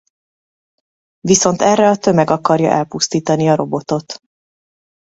Viszont erre a tömeg akarja elpusztítani a robotot.